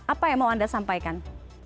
apa yang mau anda sampaikan